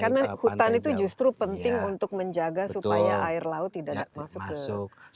karena hutan itu justru penting untuk menjaga supaya air laut tidak masuk ke